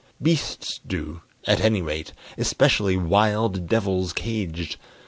Beasts do, at any rate; especially Wild devils caged.